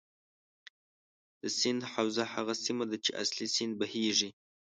د سیند حوزه هغه سیمه ده چې اصلي سیند بهیږي.